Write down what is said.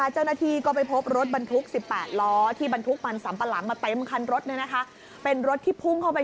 เจ้าหน้าที่ก็ไปพบรถบรรทุก๑๘ล้อ